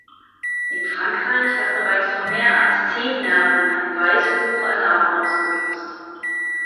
In Frankreich hat bereits vor mehr als zehn Jahren ein Weißbuch Alarm ausgelöst.